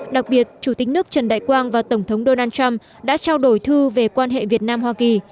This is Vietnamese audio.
đặc biệt chủ tịch nước trần đại quang và tổng thống donald trump đã trao đổi thư về quan hệ việt nam hoa kỳ